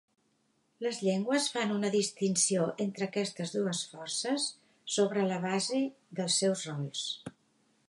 Les llengües fan una distinció entre aquestes dues forces sobre la base dels seus rols.